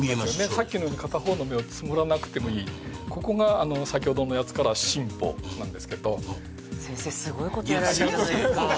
さっきのように片方の目をつむらなくてもいいここがあの先ほどのやつから進歩なんですけどいや先生スゴいですね